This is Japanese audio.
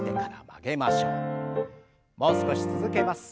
もう少し続けます。